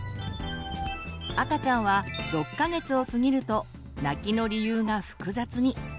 赤ちゃんは６か月を過ぎると泣きの理由が複雑に。